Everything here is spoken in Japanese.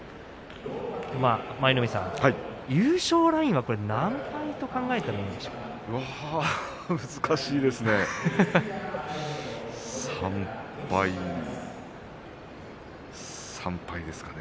舞の海さん、優勝ラインは何敗と考えたらいいでしょうか。